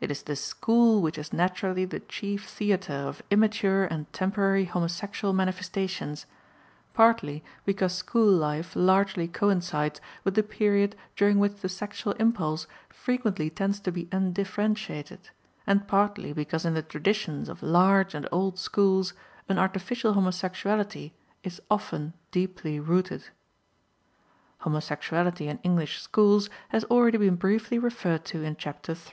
It is the school which is naturally the chief theater of immature and temporary homosexual manifestations, partly because school life largely coincides with the period during which the sexual impulse frequently tends to be undifferentiated, and partly because in the traditions of large and old schools an artificial homosexuality is often deeply rooted. Homosexuality in English schools has already been briefly referred to in chapter iii.